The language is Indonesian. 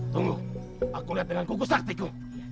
tunggu aku lihat dengan kuku saktiku